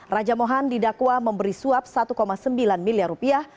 raja mohan didakwa memberi suap satu sembilan miliar rupiah